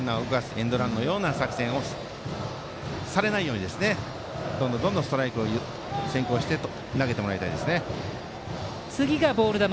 エンドランのような作戦をされないようにどんどんストライクを先行して、投げてもらいたいです。